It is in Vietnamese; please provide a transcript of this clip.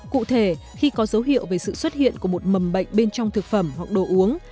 cụ thể khi có dấu hiệu về sự xuất hiện của một mầm bệnh bên trong thực phẩm hoặc đồ uống